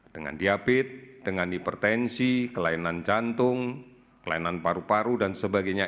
dengan diabetes dengan hipertensi kelainan jantung kelainan paru paru dan sebagainya